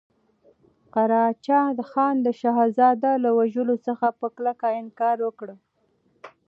قراچه خان د شهزاده له وژلو څخه په کلکه انکار وکړ.